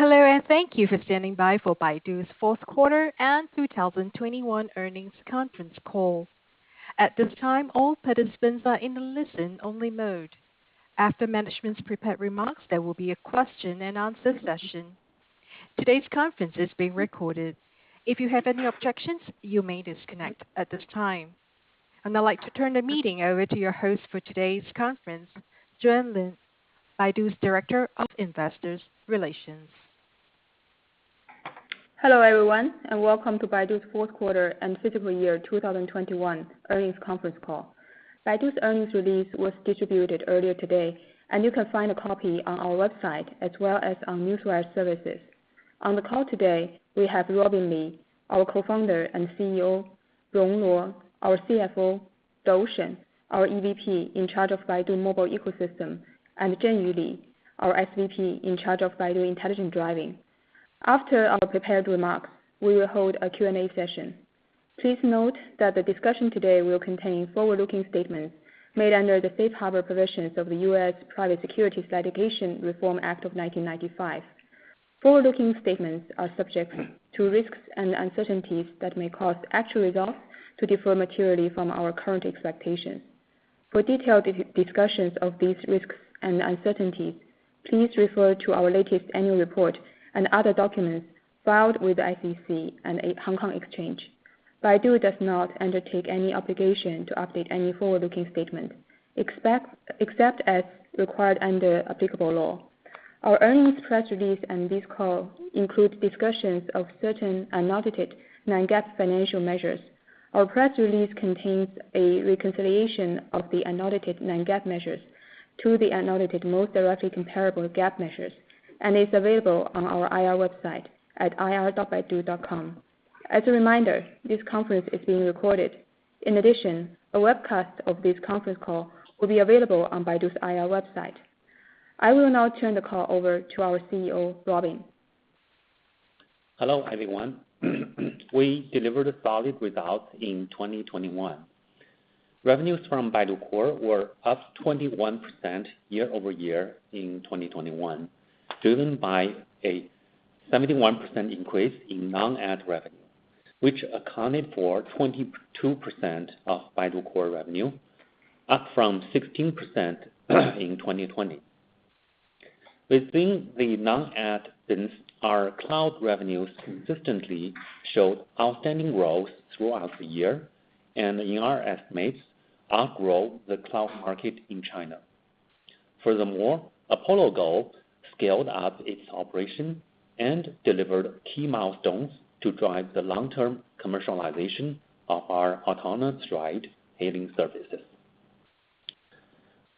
Hello, and thank you for standing by for Baidu's fourth quarter and 2021 earnings conference call. At this time, all participants are in a listen-only mode. After management's prepared remarks, there will be a question and answer session. Today's conference is being recorded. If you have any objections, you may disconnect at this time. I'd now like to turn the meeting over to your host for today's conference, Juan Lin, Baidu's Director of Investor Relations. Hello, everyone, and welcome to Baidu's fourth quarter and fiscal year 2021 earnings conference call. Baidu's earnings release was distributed earlier today, and you can find a copy on our website as well as on Newswire Services. On the call today, we have Robin Li, our Co-founder and CEO, Rong Luo, our CFO, Dou Shen, our EVP in charge of Baidu Mobile Ecosystem, and Zhenyu Li, our SVP in charge of Baidu Intelligent Driving. After our prepared remarks, we will hold a Q&A session. Please note that the discussion today will contain forward-looking statements made under the safe harbor provisions of the U.S. Private Securities Litigation Reform Act of 1995. Forward-looking statements are subject to risks and uncertainties that may cause actual results to differ materially from our current expectations. For detailed discussions of these risks and uncertainties, please refer to our latest annual report and other documents filed with the SEC and the Stock Exchange of Hong Kong. Baidu does not undertake any obligation to update any forward-looking statement, except as required under applicable law. Our earnings press release and this call includes discussions of certain unaudited non-GAAP financial measures. Our press release contains a reconciliation of the unaudited non-GAAP measures to the unaudited most directly comparable GAAP measures and is available on our IR website at ir.baidu.com. As a reminder, this conference is being recorded. In addition, a webcast of this conference call will be available on Baidu's IR website. I will now turn the call over to our CEO, Robin Li. Hello, everyone. We delivered a solid result in 2021. Revenues from Baidu Core were up 21% year-over-year in 2021, driven by a 71% increase in non-ad revenue, which accounted for 22% of Baidu Core revenue, up from 16% in 2020. Within the non-ad business, our cloud revenues consistently showed outstanding growth throughout the year and in our estimates, outgrow the cloud market in China. Furthermore, Apollo Go scaled up its operation and delivered key milestones to drive the long-term commercialization of our autonomous ride hailing services.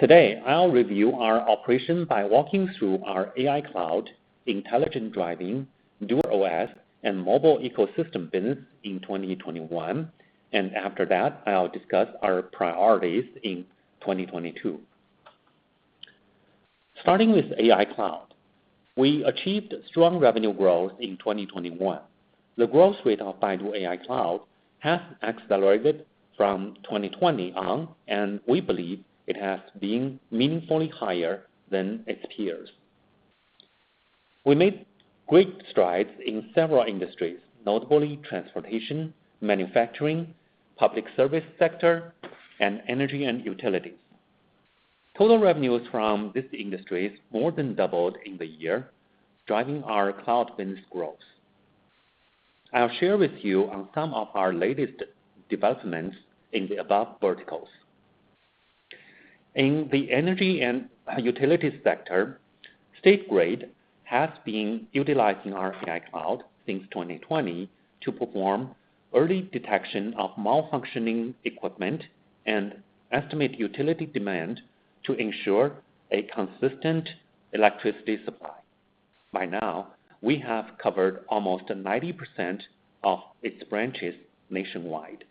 Today, I'll review our operation by walking through our AI Cloud, intelligent driving, DuerOS, and mobile ecosystem business in 2021, and after that, I'll discuss our priorities in 2022. Starting with AI Cloud. We achieved strong revenue growth in 2021. The growth rate of Baidu AI Cloud has accelerated from 2020 on, and we believe it has been meaningfully higher than its peers. We made great strides in several industries, notably transportation, manufacturing, public service sector, and energy and utilities. Total revenues from these industries more than doubled in the year, driving our cloud business growth. I'll share with you on some of our latest developments in the above verticals. In the energy and utilities sector, State Grid has been utilizing our AI cloud since 2020 to perform early detection of malfunctioning equipment and estimate utility demand to ensure a consistent electricity supply. By now, we have covered almost 90% of its branches nationwide.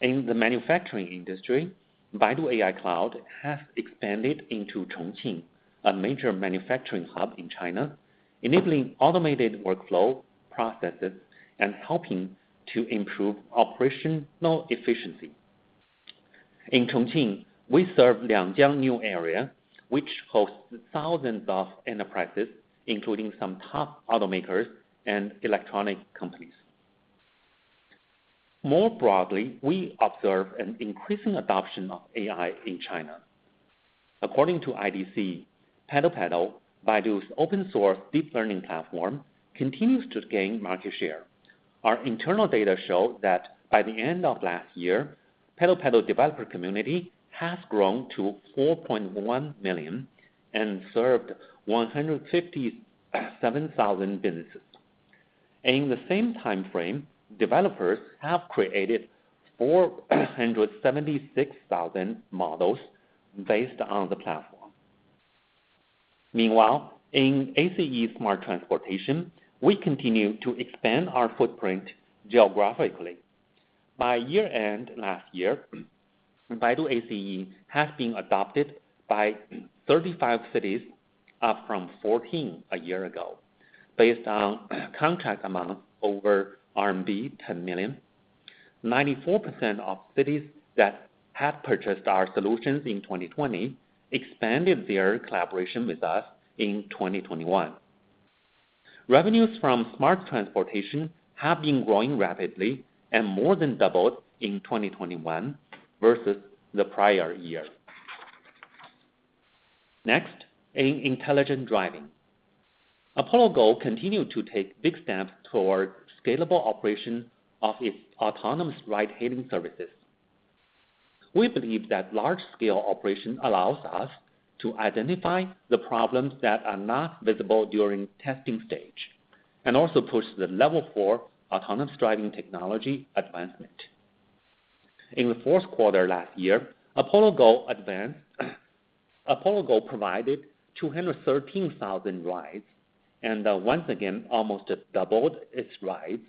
In the manufacturing industry, Baidu AI Cloud has expanded into Chongqing, a major manufacturing hub in China, enabling automated workflow, processes, and helping to improve operational efficiency. In Chongqing, we serve Liangjiang New Area, which hosts thousands of enterprises, including some top automakers and electronic companies. More broadly, we observe an increasing adoption of AI in China. According to IDC, PaddlePaddle, Baidu's open-source deep learning platform, continues to gain market share. Our internal data show that by the end of last year, PaddlePaddle developer community has grown to 4.1 million and served 157,000 businesses. In the same timeframe, developers have created 476,000 models based on the platform. Meanwhile, in ACE Smart Transportation, we continue to expand our footprint geographically. By year-end last year, Baidu ACE has been adopted by 35 cities, up from 14 a year ago. Based on contract amount over RMB 10 million, 94% of cities that have purchased our solutions in 2020 expanded their collaboration with us in 2021. Revenues from smart transportation have been growing rapidly and more than doubled in 2021 versus the prior year. Next, in intelligent driving. Apollo Go continued to take big steps towards scalable operation of its autonomous ride-hailing services. We believe that large-scale operation allows us to identify the problems that are not visible during testing stage, and also push the Level 4 autonomous driving technology advancement. In the fourth quarter last year, Apollo Go provided 213,000 rides and once again almost doubled its rides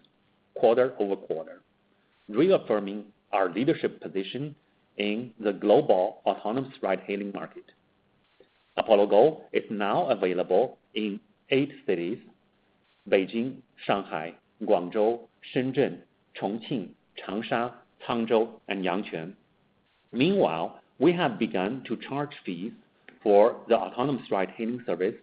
quarter-over-quarter, reaffirming our leadership position in the global autonomous ride-hailing market. Apollo Go is now available in eight cities, Beijing, Shanghai, Guangzhou, Shenzhen, Chongqing, Changsha, Hangzhou, and Yangquan. Meanwhile, we have begun to charge fees for the autonomous ride-hailing service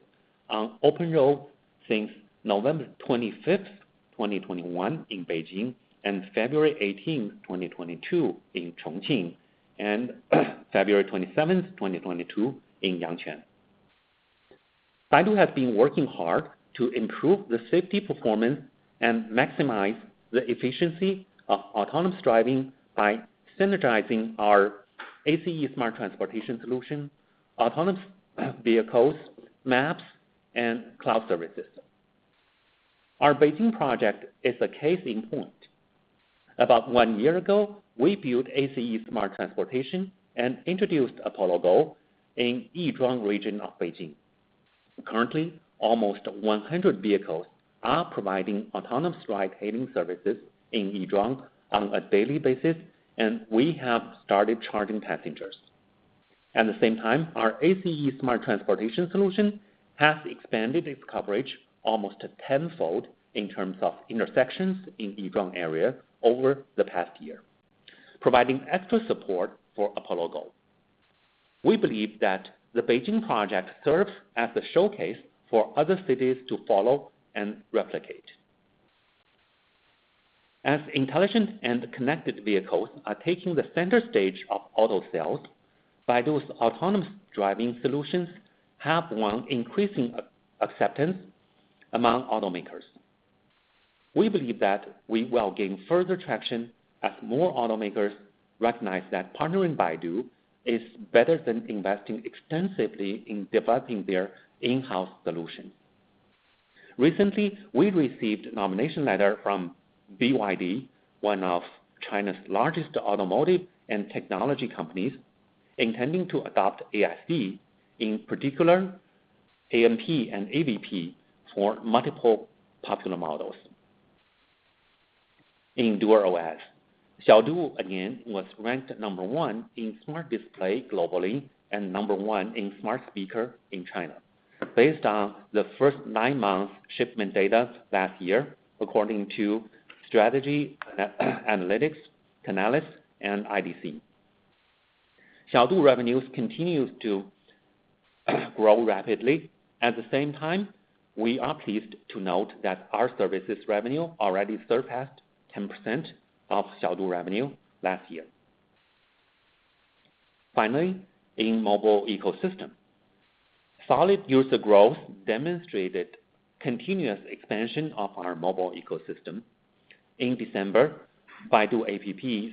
on open road since November 25, 2021 in Beijing, and February 18, 2022 in Chongqing, and February 27th, 2022 in Yangquan. Baidu has been working hard to improve the safety performance and maximize the efficiency of autonomous driving by synergizing our ACE Smart Transportation solution, autonomous vehicles, maps, and cloud services. Our Beijing project is a case in point. About one year ago, we built ACE Smart Transportation and introduced Apollo Go in Yizhuang region of Beijing. Currently, almost 100 vehicles are providing autonomous ride-hailing services in Yizhuang on a daily basis, and we have started charging passengers. At the same time, our ACE Smart Transportation solution has expanded its coverage almost 10-fold in terms of intersections in Yizhuang area over the past year, providing extra support for Apollo Go. We believe that the Beijing project serves as a showcase for other cities to follow and replicate. As intelligent and connected vehicles are taking the center stage of auto sales, Baidu's autonomous driving solutions have won increasing acceptance among automakers. We believe that we will gain further traction as more automakers recognize that partnering Baidu is better than investing extensively in developing their in-house solution. Recently, we received a nomination letter from BYD, one of China's largest automotive and technology companies, intending to adopt ASD, in particular, ANP and AVP, for multiple popular models. In DuerOS, Xiaodu again was ranked number one in smart display globally and number one in smart speaker in China. Based on the first nine-month shipment data last year, according to Strategy Analytics, Canalys and IDC, Xiaodu revenues continued to grow rapidly. At the same time, we are pleased to note that our services revenue already surpassed 10% of Xiaodu revenue last year. Finally, in mobile ecosystem, solid user growth demonstrated continuous expansion of our mobile ecosystem. In December, Baidu Apps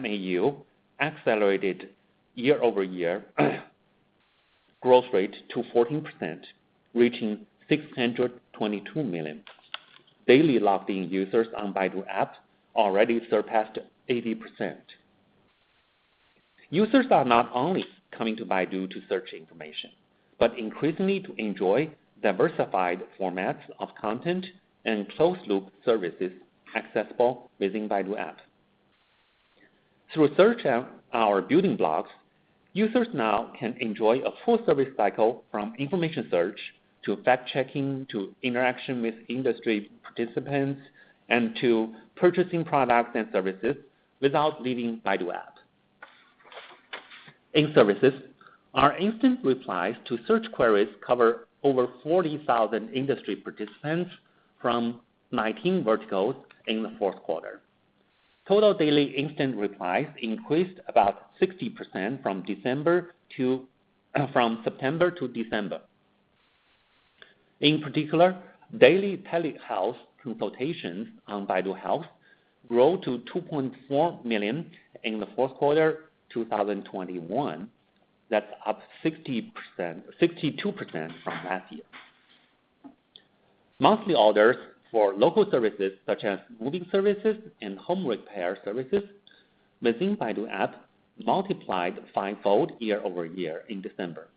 MAU accelerated year-over-year growth rate to 14%, reaching 622 million. Daily logged-in users on Baidu app already surpassed 80%. Users are not only coming to Baidu to search information, but increasingly to enjoy diversified formats of content and closed loop services accessible within Baidu app. Through search of our building blocks, users now can enjoy a full service cycle from information search to fact-checking, to interaction with industry participants, and to purchasing products and services without leaving Baidu app. In services, our instant replies to search queries cover over 40,000 industry participants from 19 verticals in the fourth quarter. Total daily instant replies increased about 60% from September to December. In particular, daily telehealth consultations on Baidu Health grew to 2.4 million in the fourth quarter 2021. That's up 60%-62% from last year. Monthly orders for local services, such as moving services and home repair services within Baidu App multiplied five-fold year-over-year in December.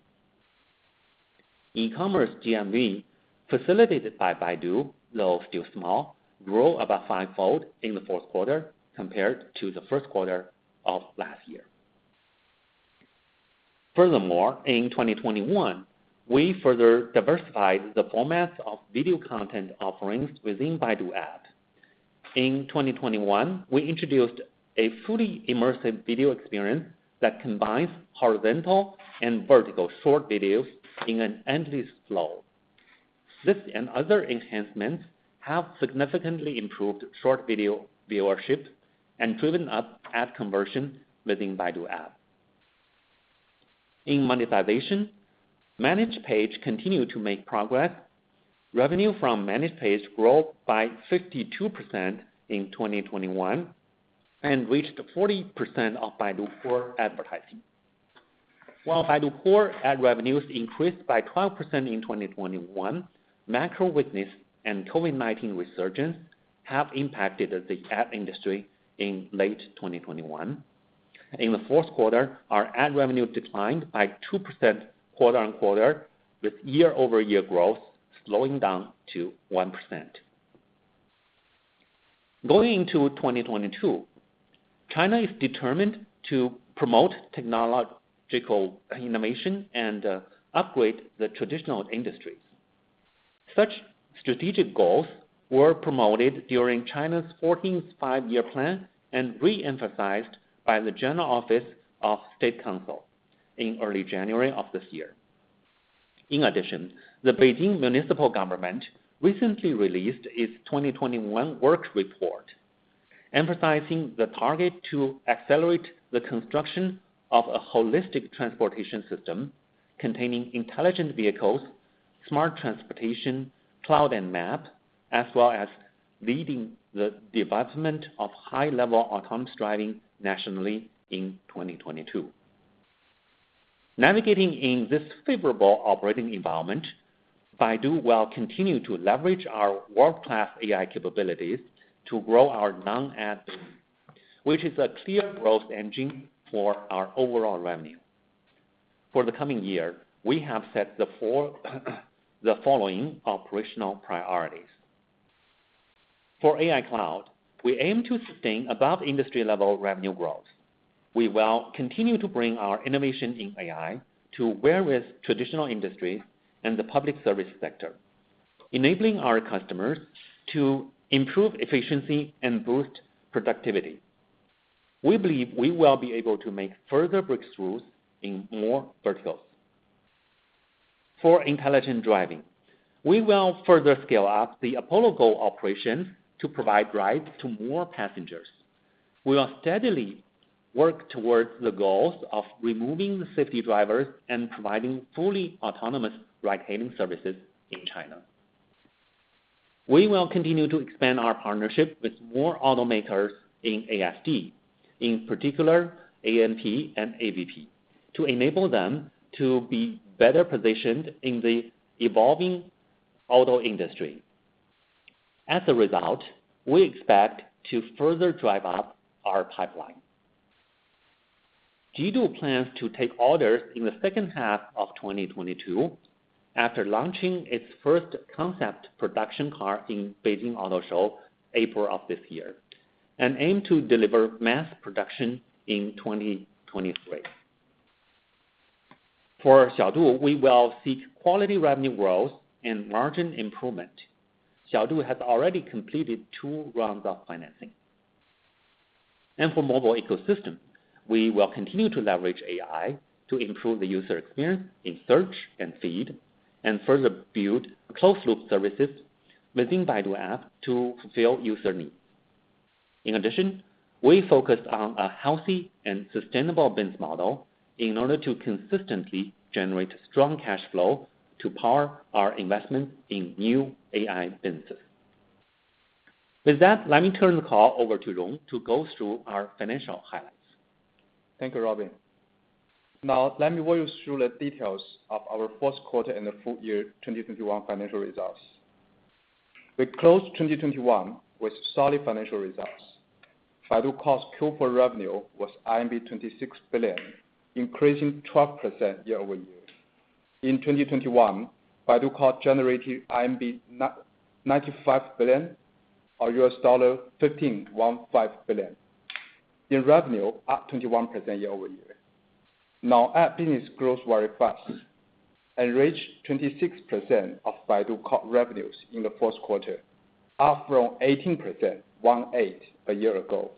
E-commerce GMV, facilitated by Baidu, though still small, grew about five-fold in the fourth quarter compared to the first quarter of last year. Furthermore, in 2021, we further diversified the formats of video content offerings within Baidu App. In 2021, we introduced a fully immersive video experience that combines horizontal and vertical short videos in an endless flow. This and other enhancements have significantly improved short video viewership and driven up ad conversion within Baidu App. In monetization, Managed Page continued to make progress. Revenue from Managed Page grew by 52% in 2021, and reached 40% of Baidu Core advertising. While Baidu Core ad revenues increased by 12% in 2021, macro weakness and COVID-19 resurgence have impacted the ad industry in late 2021. In the fourth quarter, our ad revenue declined by 2% quarter-on-quarter, with year-over-year growth slowing down to 1%. Going into 2022, China is determined to promote technological innovation and upgrade the traditional industries. Such strategic goals were promoted during China's 14th Five-Year Plan and re-emphasized by the General Office of the State Council in early January of this year. In addition, the Beijing Municipal People's Government recently released its 2021 work report, emphasizing the target to accelerate the construction of a holistic transportation system containing intelligent vehicles, smart transportation, cloud and map, as well as leading the development of high-level autonomous driving nationally in 2022. Navigating in this favorable operating environment, Baidu will continue to leverage our world-class AI capabilities to grow our non-ad business, which is a clear growth engine for our overall revenue. For the coming year, we have set the following operational priorities. For AI cloud, we aim to sustain above industry level revenue growth. We will continue to bring our innovation in AI to various traditional industries and the public service sector, enabling our customers to improve efficiency and boost productivity. We believe we will be able to make further breakthroughs in more verticals. For intelligent driving, we will further scale up the Apollo Go operations to provide rides to more passengers. We are steadily working towards the goals of removing the safety drivers and providing fully autonomous ride-hailing services in China. We will continue to expand our partnership with more automakers in ASD, in particular AMP and AVP, to enable them to be better positioned in the evolving auto industry. As a result, we expect to further drive up our pipeline. JIDU plans to take orders in the second half of 2022 after launching its first concept production car in Beijing Auto Show, April of this year, and aim to deliver mass production in 2023. For Xiaodu, we will seek quality revenue growth and margin improvement. Xiaodu has already completed two rounds of financing. For mobile ecosystem, we will continue to leverage AI to improve the user experience in search and feed, and further build closed loop services within Baidu App to fulfill user needs. In addition, we focus on a healthy and sustainable business model in order to consistently generate strong cash flow to power our investments in new AI businesses. With that, let me turn the call over to Rong to go through our financial highlights. Thank you, Robin. Now let me walk you through the details of our first quarter and the full year 2021 financial results. We closed 2021 with solid financial results. Baidu Core Q4 revenue was 26 billion, increasing 12% year-over-year. In 2021, Baidu Core generated RMB 99.5 billion or $15.15 billion in revenue, up 21% year-over-year. Now, App business grows very fast and reached 26% of Baidu Core revenues in the first quarter, up from 18%, a year ago.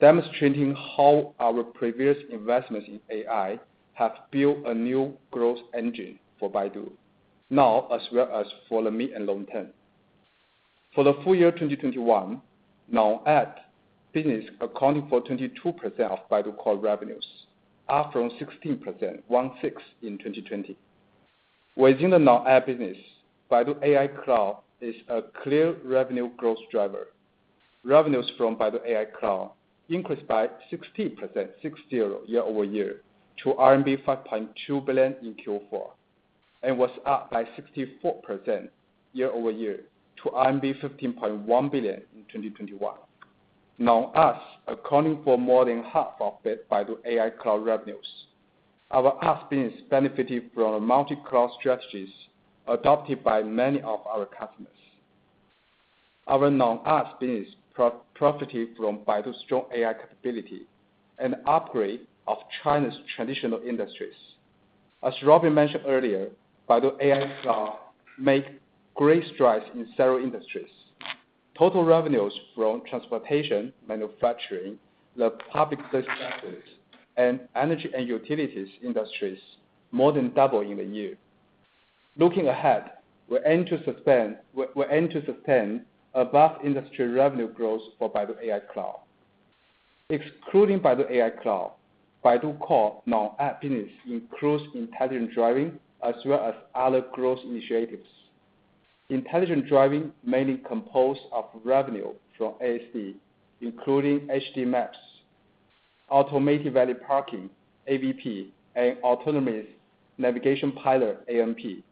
Demonstrating how our previous investments in AI have built a new growth engine for Baidu now as well as for the mid and long-term. For the full year 2021, App business accounting for 22% of Baidu Core revenues, up from 16% in 2020. Within the non-App business, Baidu AI Cloud is a clear revenue growth driver. Revenues from Baidu AI Cloud increased by 60% year-over-year to RMB 5.2 billion in Q4, and was up by 64% year-over-year to RMB 15.1 billion in 2021. Non-App accounting for more than half of Baidu AI Cloud revenues. Our non-App business benefited from a multi-cloud strategies adopted by many of our customers. Our non-ad business profits from Baidu's strong AI capability and upgrade of China's traditional industries. As Robin mentioned earlier, Baidu AI Cloud makes great strides in several industries. Total revenues from transportation, manufacturing, the public distribution and energy and utilities industries more than doubled in the year. Looking ahead, we aim to sustain above industry revenue growth for Baidu AI Cloud. Excluding Baidu AI Cloud, Baidu Core non-ad business includes intelligent driving as well as other growth initiatives. Intelligent driving mainly composed of revenue from ASD, including HD maps, automated valet parking, AVP, and autonomous navigation pilot, ANP,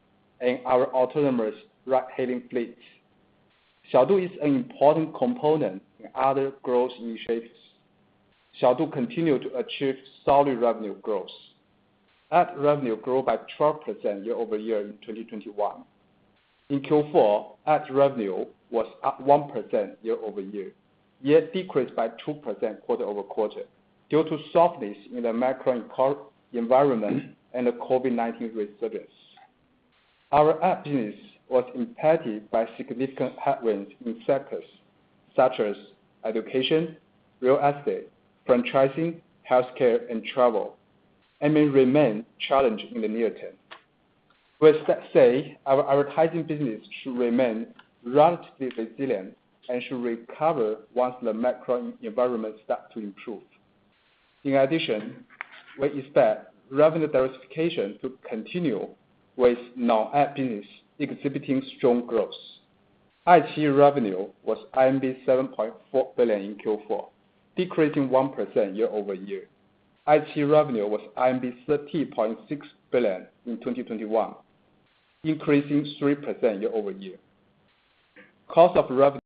and our autonomous ride hailing fleet. Xiaodu is an important component in other growth initiatives. Xiaodu continued to achieve solid revenue growth. Ad revenue grew by 12% year-over-year in 2021. In Q4, ad revenue was up 1% year-over-year, yet decreased by 2% quarter-over-quarter due to softness in the macroeconomic environment and the COVID-19 resurgence. Our ad business was impacted by significant headwinds in sectors such as education, real estate, franchising, healthcare, and travel, and may remain challenged in the near term. We expect our advertising business should remain relatively resilient and should recover once the macroeconomic environment starts to improve. In addition, we expect revenue diversification to continue with non-ad business exhibiting strong growth. ITE revenue was 7.4 billion in Q4, decreasing 1% year-over-year. ITE revenue was 13.6 billion in 2021, increasing 3% year-over-year. Cost of revenue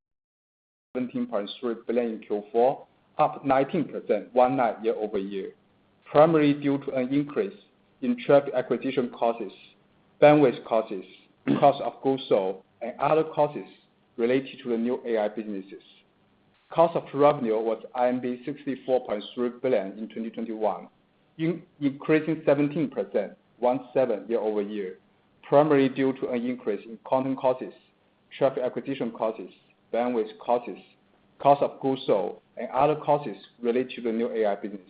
was 17.3 billion in Q4, up 19% year-over-year, primarily due to an increase in traffic acquisition costs, bandwidth costs, cost of goods sold, and other costs related to the new AI businesses. Cost of revenue was 64.3 billion in 2021, increasing 17% year-over-year, primarily due to an increase in content costs, traffic acquisition costs, bandwidth costs, cost of goods sold, and other costs related to the new AI business.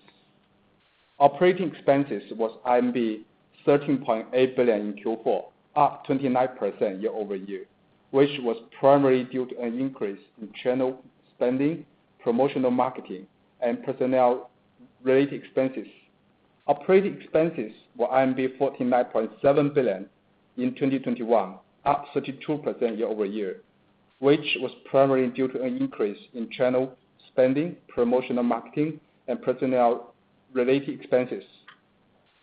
Operating expenses was 13.8 billion in Q4, up 29% year-over-year, which was primarily due to an increase in channel spending, promotional marketing, and personnel-related expenses. Operating expenses were 49.7 billion in 2021, up 32% year-over-year, which was primarily due to an increase in channel spending, promotional marketing, and personnel-related expenses.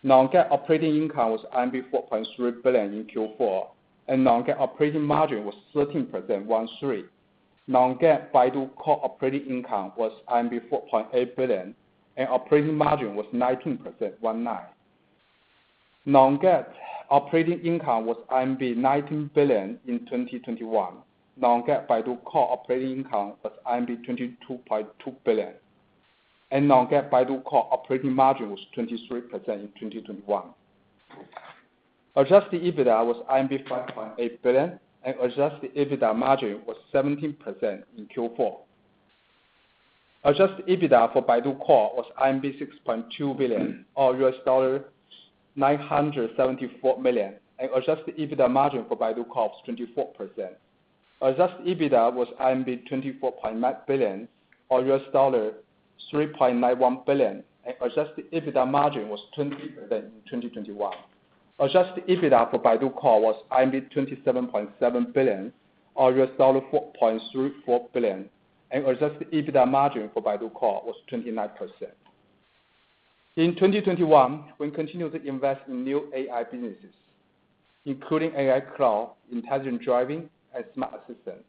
Non-GAAP operating income was 4.3 billion in Q4, and non-GAAP operating margin was 13%. Non-GAAP Baidu Core operating income was 4.8 billion, and operating margin was 19%. Non-GAAP operating income was 19 billion in 2021. Non-GAAP Baidu Core operating income was 22.2 billion, and non-GAAP Baidu Core operating margin was 23% in 2021. Adjusted EBITDA was 5.8 billion, and adjusted EBITDA margin was 17% in Q4. Adjusted EBITDA for Baidu Core was 6.2 billion, or $974 million, and adjusted EBITDA margin for Baidu Core was 24%. Adjusted EBITDA was 24.9 billion, or $3.91 billion, and adjusted EBITDA margin was 20% in 2021. Adjusted EBITDA for Baidu Core was 27.7 billion, or $4.34 billion, and Adjusted EBITDA margin for Baidu Core was 29%. In 2021, we continued to invest in new AI businesses, including AI cloud, intelligent driving, and smart assistant.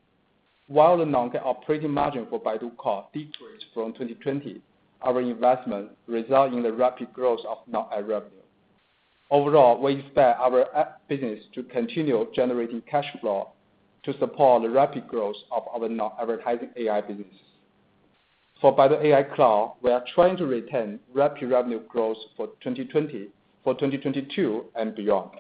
While the non-GAAP operating margin for Baidu Core decreased from 2020, our investment resulted in the rapid growth of non-AI revenue. Overall, we expect our ad business to continue generating cash flow to support the rapid growth of our non-advertising AI business. For Baidu AI Cloud, we are trying to retain rapid revenue growth for 2022 and beyond.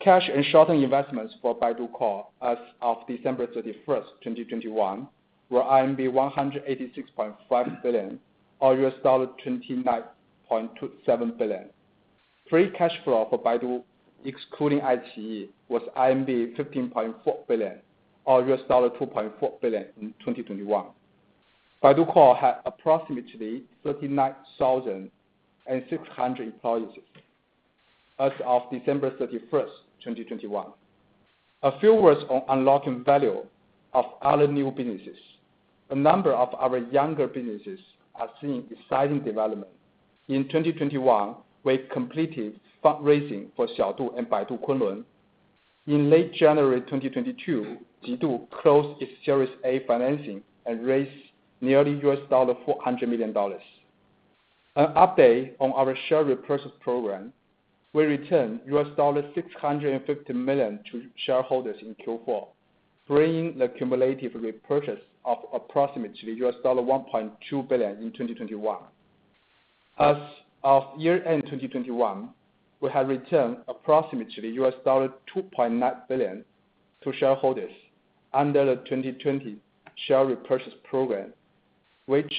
Cash and short-term investments for Baidu Core as of December 31st, 2021, were RMB 186.5 billion, or $29.27 billion. Free cash flow for Baidu, excluding iQIYI, was 15.4 billion, or $2.4 billion in 2021. Baidu Core had approximately 39,600 employees as of December 31, 2021. A few words on unlocking value of other new businesses. A number of our younger businesses are seeing exciting development. In 2021, we've completed fundraising for Xiaodu and Baidu Kunlun. In late January 2022, Jidu closed its Series A financing and raised nearly $400 million. An update on our share repurchase program. We return $650 million to shareholders in Q4, bringing the cumulative repurchase of approximately $1.2 billion in 2021. As of year-end 2021, we have returned approximately $2.9 billion to shareholders under the 2020 share repurchase program, which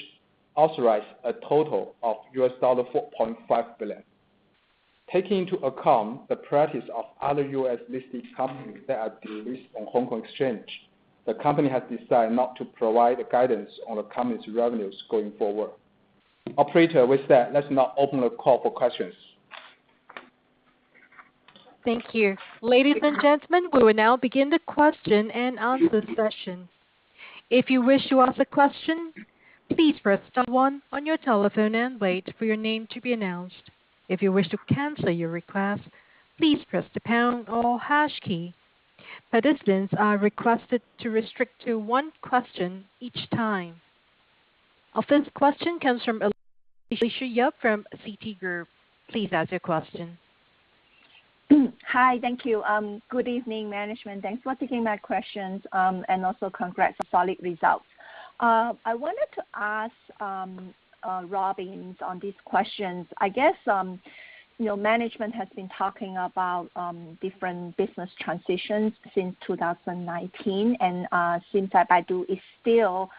authorized a total of $4.5 billion. Taking into account the practice of other U.S.-listed companies that are delisted from Hong Kong Exchange, the company has decided not to provide the guidance on the company's revenues going forward. Operator, with that, let's now open the call for questions. Thank you. Ladies and gentlemen, we will now begin the question and answer session. If you wish to ask a question, please press star one on your telephone and wait for your name to be announced. If you wish to cancel your request, please press the pound or hash key. Participants are requested to restrict to one question each time. Our first question comes from Alicia Yap from Citigroup. Please ask your question. Hi. Thank you. Good evening, management. Thanks for taking my questions, and also congrats on solid results. I wanted to ask Robin on these questions. I guess, you know, management has been talking about different business transitions since 2019, and since that Baidu is still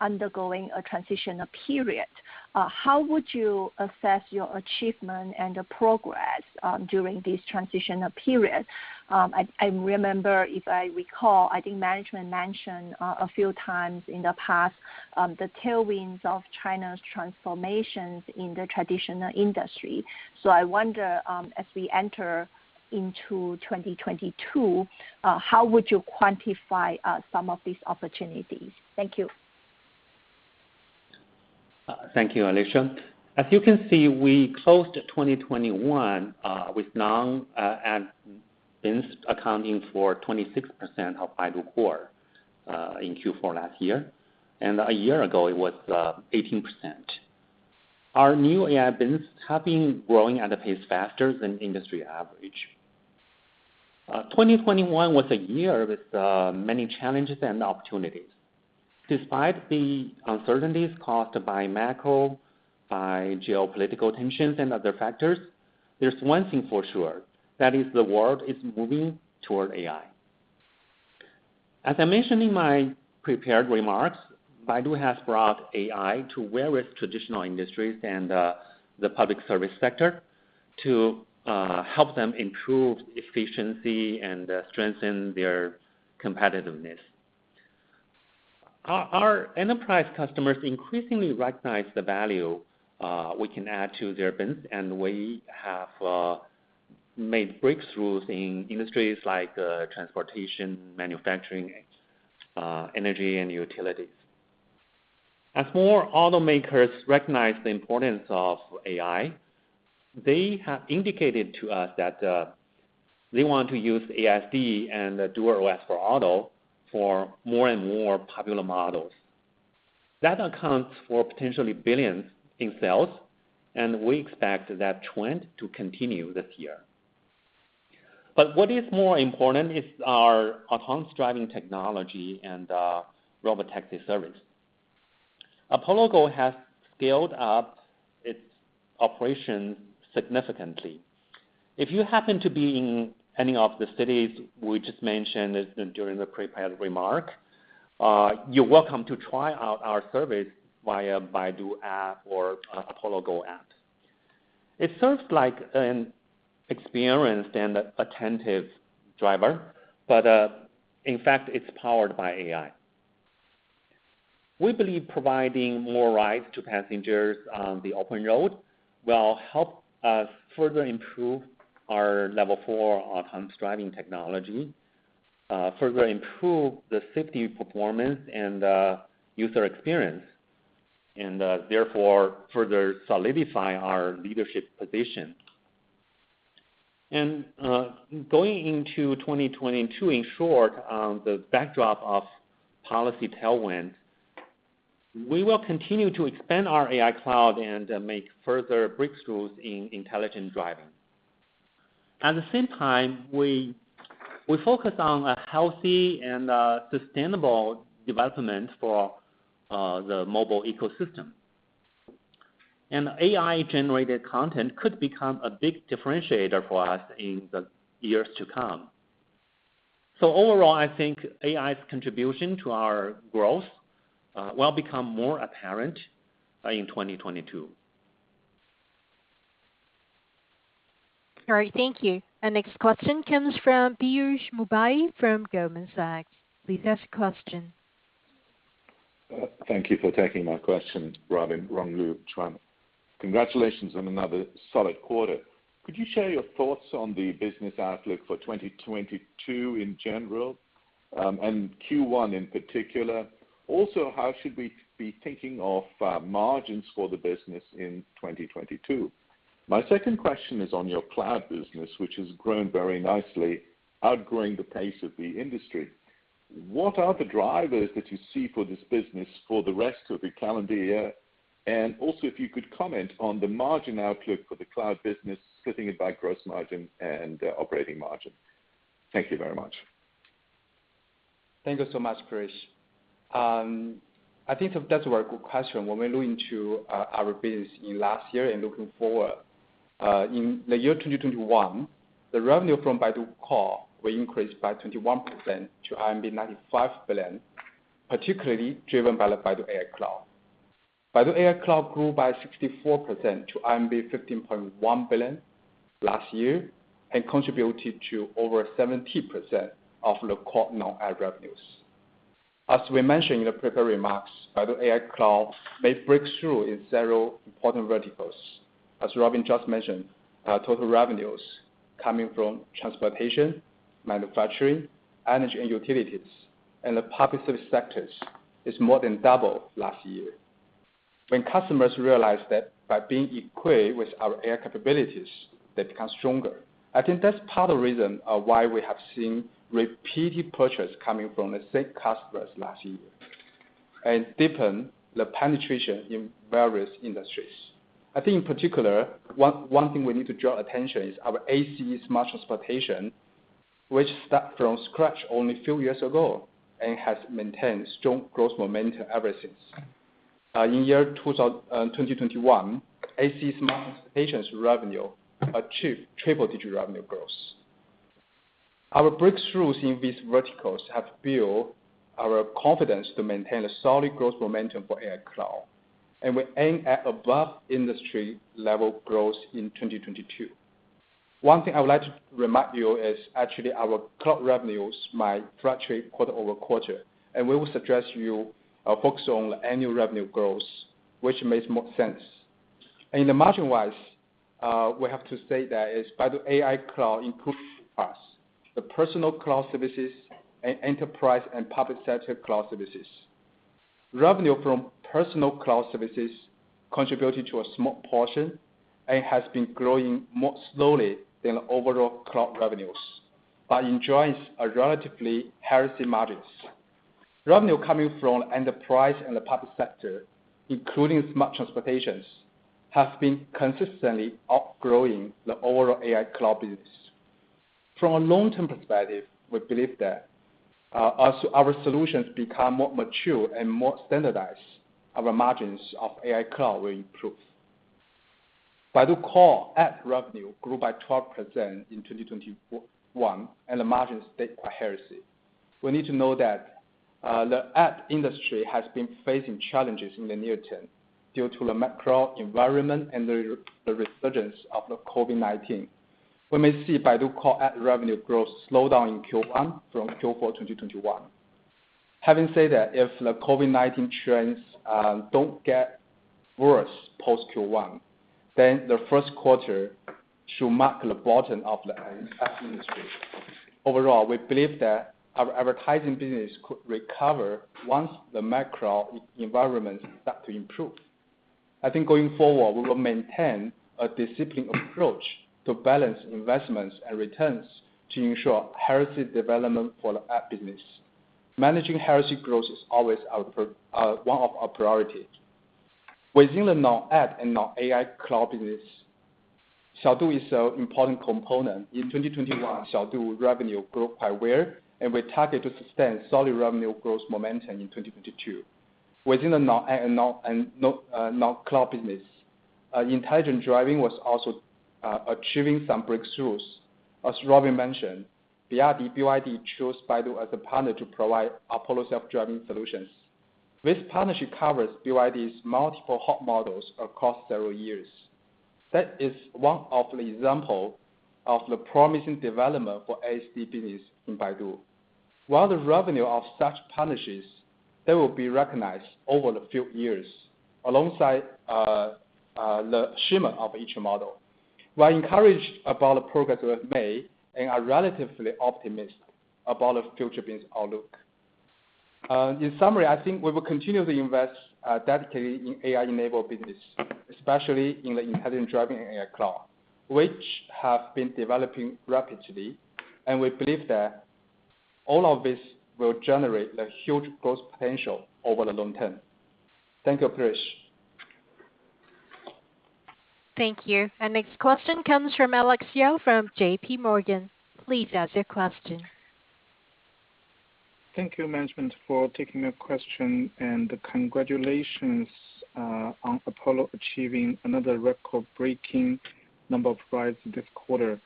undergoing a transitional period, how would you assess your achievement and the progress during this transitional period? I remember, if I recall, I think management mentioned a few times in the past, the tailwinds of China's transformations in the traditional industry. I wonder, as we enter into 2022, how would you quantify some of these opportunities? Thank you. Thank you, Alicia. As you can see, we closed 2021 with non-AI business accounting for 26% of Baidu Core in Q4 last year. A year ago, it was 18%. Our new AI business have been growing at a pace faster than industry average. 2021 was a year with many challenges and opportunities. Despite the uncertainties caused by macro, by geopolitical tensions and other factors, there's one thing for sure, that is the world is moving toward AI. As I mentioned in my prepared remarks, Baidu has brought AI to various traditional industries and the public service sector to help them improve efficiency and strengthen their competitiveness. Our enterprise customers increasingly recognize the value we can add to their business, and we have made breakthroughs in industries like transportation, manufacturing, energy, and utilities. As more automakers recognize the importance of AI, they have indicated to us that they want to use ASD and DuerOS for Auto for more and more popular models. That accounts for potentially billions in sales, and we expect that trend to continue this year. What is more important is our autonomous driving technology and robotaxi service. Apollo Go has scaled up its operations significantly. If you happen to be in any of the cities we just mentioned during the prepared remark, you're welcome to try out our service via Baidu App or Apollo Go app. It serves like an experienced and attentive driver, but in fact, it's powered by AI. We believe providing more rides to passengers on the open road will help us further improve our Level 4 autonomous driving technology, further improve the safety, performance, and user experience, and therefore, further solidify our leadership position. Going into 2022, in short, on the backdrop of policy tailwind, we will continue to expand our AI Cloud and make further breakthroughs in intelligent driving. At the same time, we focus on a healthy and sustainable development for the mobile ecosystem. AI-generated content could become a big differentiator for us in the years to come. Overall, I think AI's contribution to our growth will become more apparent in 2022. All right. Thank you. Our next question comes from Piyush Mubayi from Goldman Sachs. Please ask your question. Thank you for taking my question, Robin, Rong Luo, Juan. Congratulations on another solid quarter. Could you share your thoughts on the business outlook for 2022 in general, and Q1 in particular? Also, how should we be thinking of margins for the business in 2022? My second question is on your cloud business, which has grown very nicely, outgrowing the pace of the industry. What are the drivers that you see for this business for the rest of the calendar year? And also, if you could comment on the margin outlook for the cloud business, splitting it by gross margin and operating margin. Thank you very much. Thank you so much, Chris. I think that's a very good question when we look into our business in last year and looking forward. In the year 2021, the revenue from Baidu Core were increased by 21% to 95 billion, particularly driven by the Baidu AI Cloud. Baidu AI Cloud grew by 64% to 15.1 billion last year and contributed to over 70% of the core non-ad revenues. As we mentioned in the prepared remarks, Baidu AI Cloud made breakthrough in several important verticals. As Robin just mentioned, our total revenues coming from transportation, manufacturing, energy and utilities, and the public service sectors is more than double last year. When customers realized that by being equipped with our AI capabilities, they become stronger. I think that's part of the reason why we have seen repeated purchase coming from the same customers last year and deepen the penetration in various industries. I think in particular, one thing we need to draw attention is our ACE Smart Transportation, which started from scratch only a few years ago and has maintained strong growth momentum ever since. In 2021, ACE Smart Transportation's revenue achieved triple-digit revenue growth. Our breakthroughs in these verticals have built our confidence to maintain a solid growth momentum for AI Cloud, and we aim at above industry level growth in 2022. One thing I would like to remind you is actually our cloud revenues might fluctuate quarter-over-quarter, and we will suggest you focus on the annual revenue growth, which makes more sense. Margin-wise, we have to say that Baidu AI Cloud includes parts, the personal cloud services and enterprise and public sector cloud services. Revenue from personal cloud services contributed to a small portion and has been growing more slowly than overall cloud revenues, but enjoys relatively healthy margins. Revenue coming from enterprise and the public sector, including smart transportation, has been consistently outgrowing the overall AI Cloud business. From a long-term perspective, we believe that, as our solutions become more mature and more standardized, our margins of AI Cloud will improve. Baidu Core ad revenue grew by 12% in 2021, and the margins stayed quite healthy. We need to know that, the ad industry has been facing challenges in the near term due to the macro environment and the resurgence of the COVID-19. We may see Baidu Core ad revenue growth slow down in Q1 from Q4 2021. Having said that, if the COVID-19 trends don't get worse post Q1, then the first quarter should mark the bottom of the ad industry. Overall, we believe that our advertising business could recover once the macro environment starts to improve. I think going forward, we will maintain a disciplined approach to balance investments and returns to ensure healthy development for the ad business. Managing healthy growth is always one of our priorities. Within the non-ad and non-AI cloud business, Xiaodu is an important component. In 2021, Xiaodu revenue grew quite well, and we target to sustain solid revenue growth momentum in 2022. Within the non-cloud business, intelligent driving was also achieving some breakthroughs. As Robin mentioned, BYD chose Baidu as a partner to provide Apollo self-driving solutions. This partnership covers BYD's multiple hot models across several years. That is one of the example of the promising development for AD business in Baidu. While the revenue of such partnerships will be recognized over the few years alongside the shipment of each model. We're encouraged about the progress we have made and are relatively optimistic about the future business outlook. In summary, I think we will continue to invest dedicated in AI-enabled business, especially in the intelligent driving and AI cloud, which have been developing rapidly. We believe that all of this will generate a huge growth potential over the long term. Thank you, Chris. Thank you. Our next question comes from Alex Yao from J.P. Morgan. Please ask your question. Thank you, management, for taking my question and congratulations on Apollo achieving another record-breaking number of rides this quarter.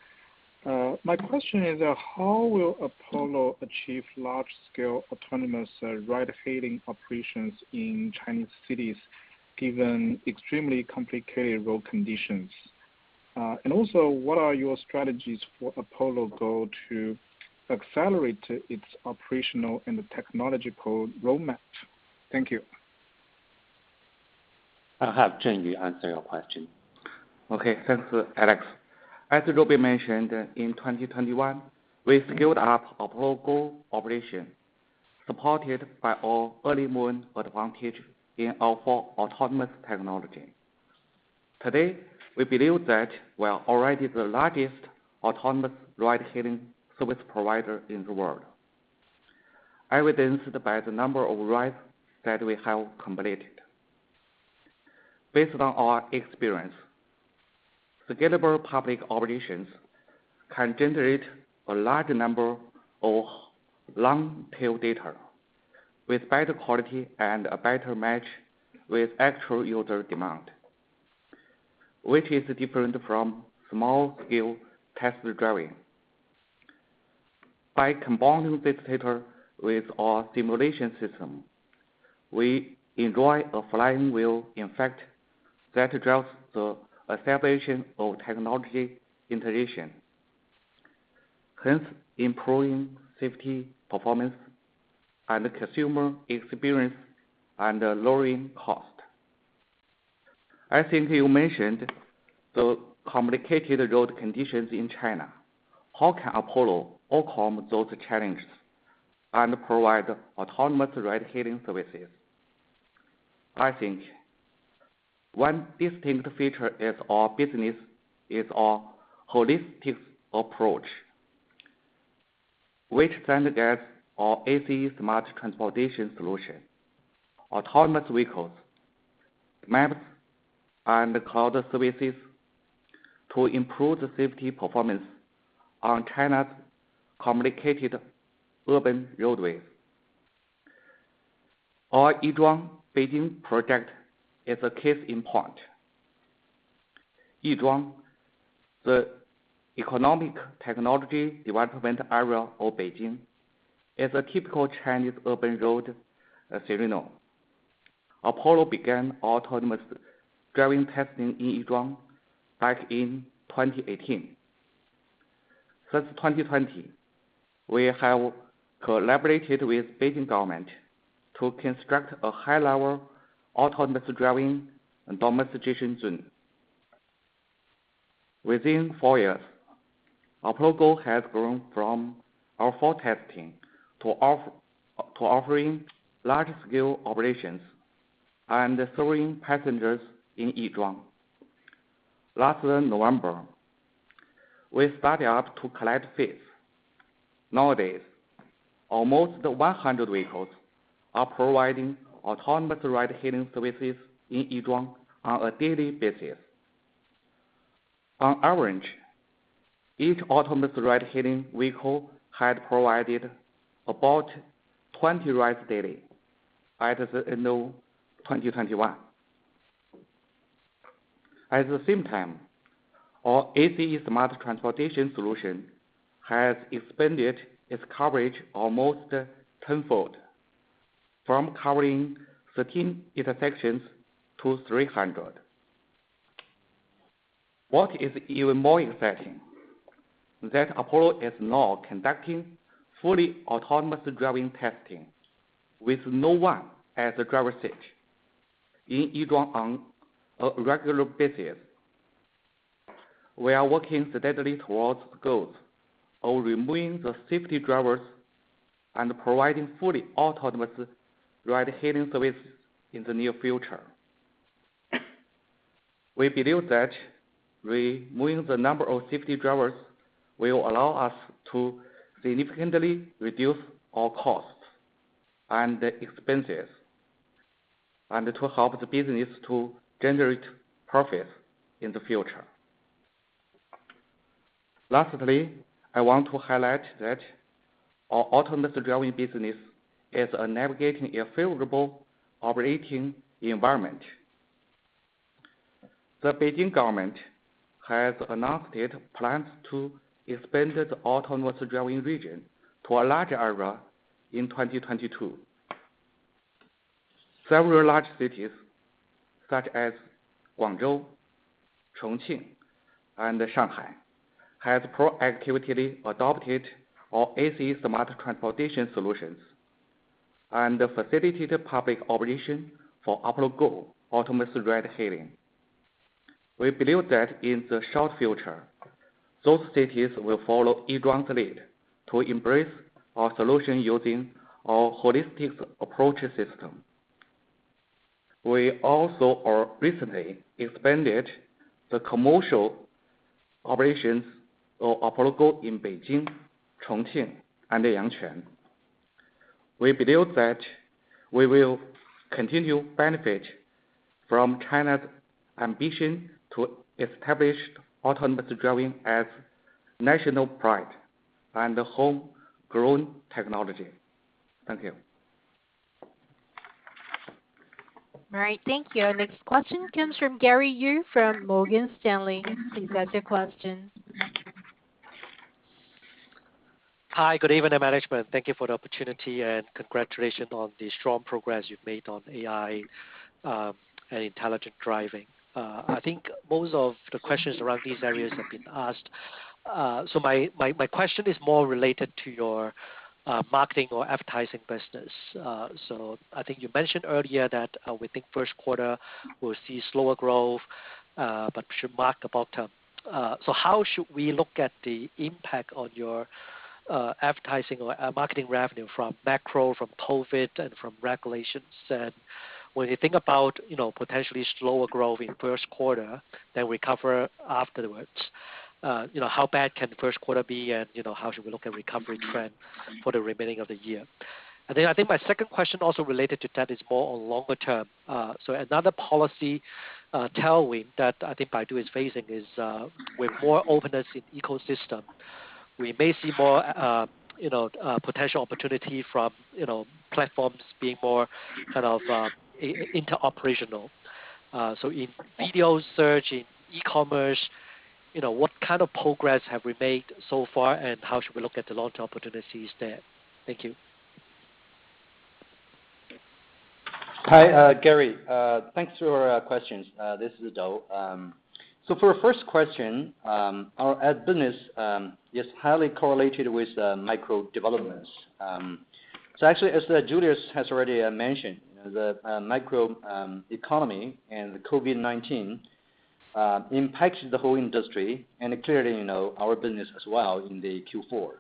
My question is, how will Apollo achieve large scale autonomous ride-hailing operations in Chinese cities given extremely complicated road conditions? And also, what are your strategies for Apollo Go to accelerate its operational and technological roadmap? Thank you. I'll have Zhenyu Li answer your question. Okay. Thanks, Alex. As Robin mentioned, in 2021, we scaled up Apollo Go operations. Supported by our early move advantage in our autonomous technology. Today, we believe that we are already the largest autonomous ride-hailing service provider in the world, evidenced by the number of rides that we have completed. Based on our experience, scalable public operations can generate a large number of long-tail data with better quality and a better match with actual user demand, which is different from small-scale test driving. By combining this data with our simulation system, we enjoy a flywheel effect that drives the acceleration of technology iteration, hence improving safety, performance and the consumer experience and lowering cost. I think you mentioned the complicated road conditions in China. How can Apollo overcome those challenges and provide autonomous ride-hailing services? I think one distinct feature is our holistic approach, which integrates our ACE Smart Transportation solution, autonomous vehicles, maps and cloud services to improve the safety performance on China's complicated urban roadways. Our Yizhuang Beijing project is a case in point. Yizhuang, the economic and technological development area of Beijing, is a typical Chinese urban road scenario. Apollo began autonomous driving testing in Yizhuang back in 2018. Since 2020, we have collaborated with Beijing government to construct a high-level autonomous driving demonstration zone. Within four years, Apollo Go has grown from our full testing to offering large-scale operations and serving passengers in Yizhuang. Last November, we started to collect fees. Nowadays, almost 100 vehicles are providing autonomous ride-hailing services in Yizhuang on a daily basis. On average, each autonomous ride-hailing vehicle had provided about 20 rides daily by the end of 2021. At the same time, our ACE Smart Transportation solution has expanded its coverage almost tenfold, from covering 13 intersections to 300. What is even more exciting is that Apollo is now conducting fully autonomous driving testing with no one at the driver's seat in Yizhuang on a regular basis. We are working steadily towards the goals of removing the safety drivers and providing fully autonomous ride-hailing service in the near future. We believe that removing the number of safety drivers will allow us to significantly reduce our costs and expenses, and to help the business to generate profits in the future. Lastly, I want to highlight that our autonomous driving business is navigating a favorable operating environment. The Beijing government has announced it plans to expand the autonomous driving region to a larger area in 2022. Several large cities such as Guangzhou, Chongqing, and Shanghai have proactively adopted our ACE Smart Transportation solutions and facilitated public operation for Apollo Go autonomous ride-hailing. We believe that in the short future, those cities will follow Yizhuang's lead to embrace our solution using our holistic approach system. We have also recently expanded the commercial operations of Apollo Go in Beijing, Chongqing, and Yangquan. We believe that we will continue to benefit from China's ambition to establish autonomous driving as national pride and homegrown technology. Thank you. All right. Thank you. Our next question comes from Gary Yu from Morgan Stanley. Please state your question. Hi, good evening management. Thank you for the opportunity and congratulations on the strong progress you've made on AI and intelligent driving. I think most of the questions around these areas have been asked. My question is more related to your marketing or advertising business. I think you mentioned earlier that we think first quarter will see slower growth. How should we look at the impact on your advertising or marketing revenue from macro, from COVID and from regulations? When you think about, potentially slower growth in first quarter, then recover afterwards, you know, how bad can the first quarter be? You know, how should we look at recovery trend for the remaining of the year? I think my second question also related to that is more on longer term. Another policy tailwind that I think Baidu is facing is with more openness in ecosystem. We may see more potential opportunity from platforms being more kind of interoperable. In video search, in e-commerce, you know, what kind of progress have we made so far, and how should we look at the long-term opportunities there? Thank you. Hi, Gary. Thanks for your questions. This is Dou Shen. For our first question, our ad business is highly correlated with the macro developments. Actually as Rong Luo has already mentioned, the macro economy and the COVID-19 impacts the whole industry and clearly, you know, our business as well in the Q4.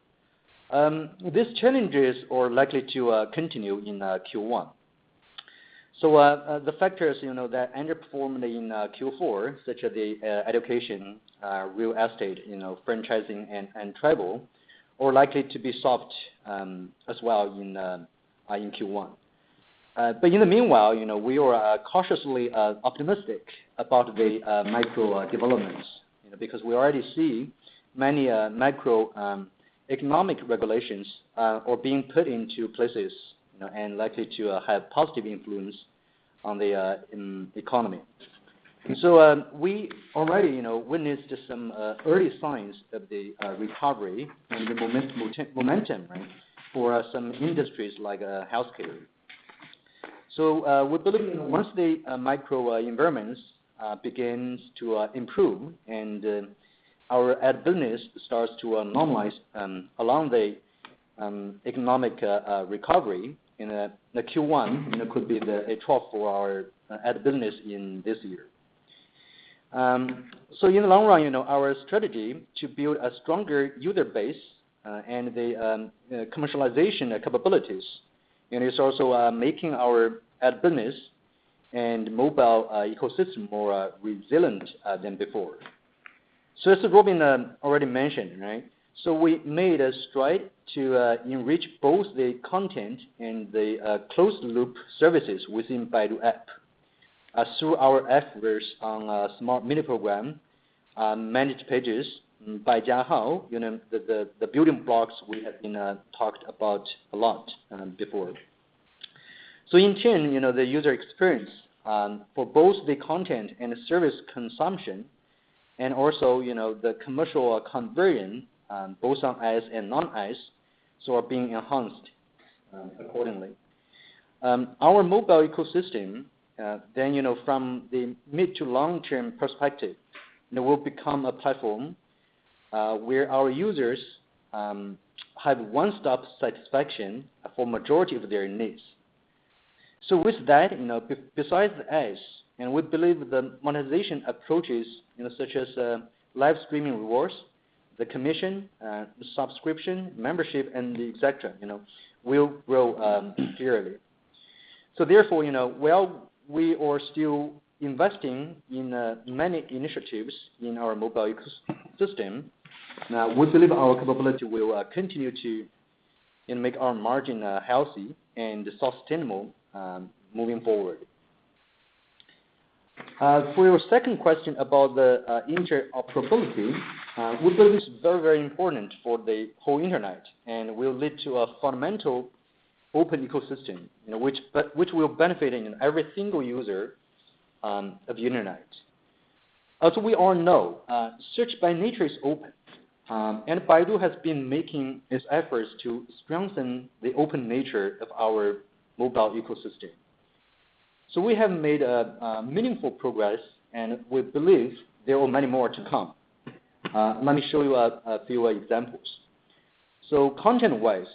These challenges are likely to continue in Q1. The factors, you know, that underperformed in Q4, such as the education, real estate, franchising and travel, are likely to be soft as well in Q1. In the meanwhile, you know, we are cautiously optimistic about the macro developments, you know, because we already see many macro economic regulations are being put in place, you know, and likely to have positive influence on the economy. We already, you know, witnessed some early signs of the recovery and the momentum, right, for some industries like healthcare. We believe once the macro environments begins to improve and our ad business starts to normalize along the economic recovery in the Q1, you know, could be a trough for our ad business in this year. In the long run, you know, our strategy to build a stronger user base, and the commercialization capabilities, and it's also making our ad business and mobile ecosystem more resilient than before. As Robin already mentioned, right? We made a stride to enrich both the content and the closed loop services within Baidu App, through our efforts on Smart Mini Program, Managed Pages, Baijiahao, you know, the building blocks we have been talked about a lot before. In turn, you know, the user experience for both the content and the service consumption and also, you know, the commercial conversion both on ads and non-ads so are being enhanced accordingly. Our mobile ecosystem, then, you know, from the mid to long-term perspective, it will become a platform, where our users have one-stop satisfaction for majority of their needs. With that, you know, besides ads, and we believe the monetization approaches, you know, such as live streaming rewards, the commission, the subscription, membership and the et cetera, you know, will grow dearly. Therefore, you know, while we are still investing in many initiatives in our mobile ecosystem, we believe our capability will continue to, and make our margin healthy and sustainable moving forward. For your second question about the interoperability, we believe it's very, very important for the whole internet and will lead to a fundamental open ecosystem, you know, which will benefiting in every single user of the internet. As we all know, search by nature is open, and Baidu has been making its efforts to strengthen the open nature of our mobile ecosystem. We have made a meaningful progress, and we believe there are many more to come. Let me show you a few examples. Content-wise,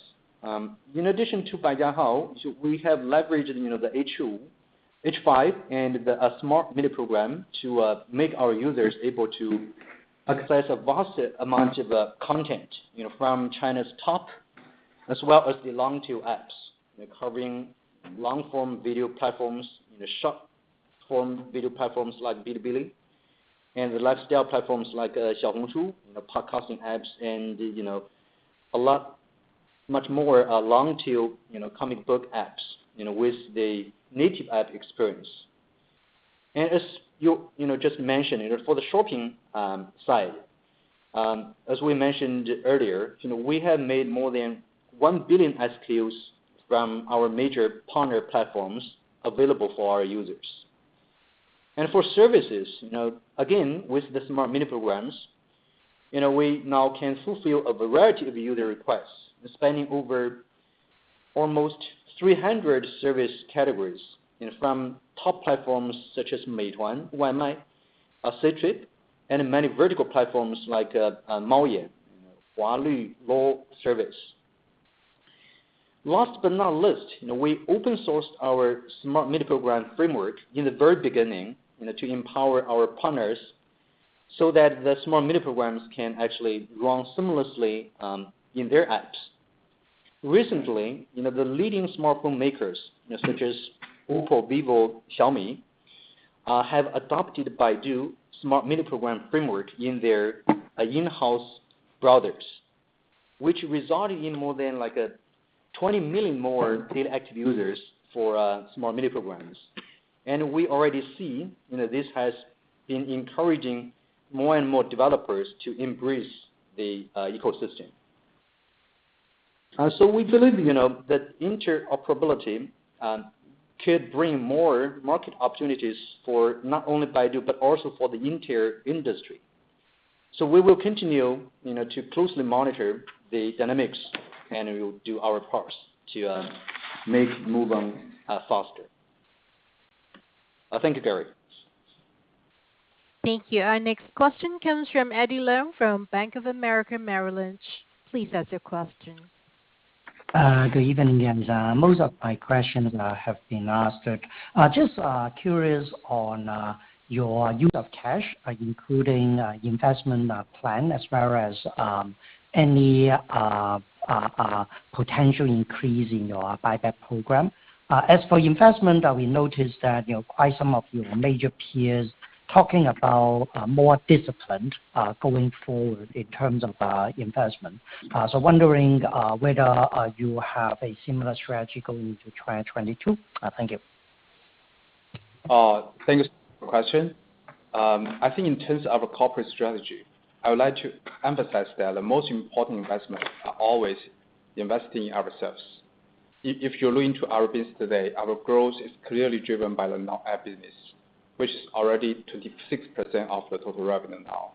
in addition to Baijiahao, we have leveraged, you know, the H5 and the Smart Mini Program to make our users able to access a vast amount of content, you know, from China's top as well as the long-tail apps. They're covering long-form video platforms and the short form video platforms like Bilibili and the lifestyle platforms like Xiaohongshu, you know, podcasting apps and, you know, a lot much more, long-tail, you know, comic book apps, you know, with the native app experience. As you just mentioned, for the shopping side, as we mentioned earlier, you know, we have made more than 1 billion SKUs from our major partner platforms available for our users. For services, you know, again, with the Smart Mini Programs, you know, we now can fulfill a variety of user requests spanning over almost 300 service categories, you know, from top platforms such as Meituan, Wumai, Ctrip, and many vertical platforms like Maoyan, Hualv, law service. Last but not least, you know, we open sourced our Smart Mini Program framework in the very beginning, you know, to empower our partners so that the Smart Mini Programs can actually run seamlessly in their apps. Recently, you know, the leading smartphone makers, such as Oppo, Vivo, Xiaomi, have adopted Baidu Smart Mini Program framework in their in-house browsers, which resulted in more than like 20 million more daily active users for Smart Mini Programs. We already see, you know, this has been encouraging more and more developers to embrace the ecosystem. We believe, you know, that interoperability could bring more market opportunities for not only Baidu, but also for the entire industry. We will continue, you know, to closely monitor the dynamics, and we will do our part to make move on faster. Thank you, Gary. Thank you. Our next question comes from Eddie Leung from Bank of America Merrill Lynch. Please ask your question. Good evening, guys. Most of my questions have been asked. Just curious on your use of cash, including investment plan, as well as any potential increase in your buyback program. As for investment, we noticed that, you know, quite some of your major peers talking about more discipline going forward in terms of investment. Wondering whether you have a similar strategy going into 2022. Thank you. Thanks for your question. I think in terms of a corporate strategy, I would like to emphasize that the most important investment are always investing in ourselves. If you look into our business today, our growth is clearly driven by the non-AD business, which is already 26% of the total revenue now.